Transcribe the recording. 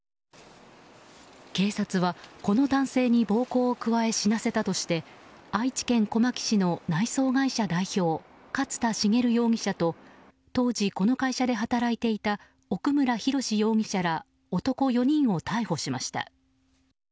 警察は、この男性に暴行を加え死なせたとして愛知県小牧市の内装会社代表勝田茂容疑者と当時この会社で働いていた奥村博容疑者ら男４人を逮捕しました。